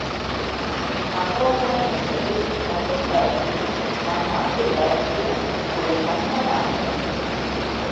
பகோடா என்பது பண்டைக்காலத்தில் நம் நாட்டில் வழங்கிய ஒரு தங்க நாணயம்.